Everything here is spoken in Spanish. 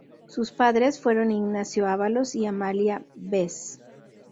Sus padres fueron Ignacio Ávalos y Amalia Vez.